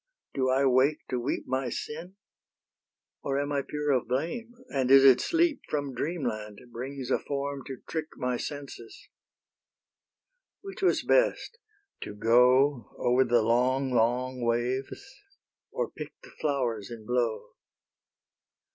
Do I wake to weep My sin? or am I pure of blame, And is it sleep From dreamland brings a form to trick My senses? Which was best? to go Over the long, long waves, or pick The flowers in blow?